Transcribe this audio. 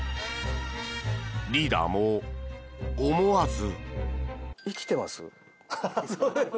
リーダーも思わず。